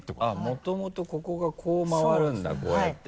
もともとここがこう回るんだこうやって。